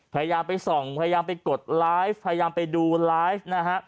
พยายามไปส่องพยายามไปกดไลฟ์พยายามไปดูไลฟ์นะฮะ